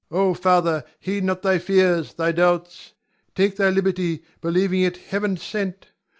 Ion. Oh, Father, heed not thy fears, thy doubts! Take thy liberty, believing it heaven sent.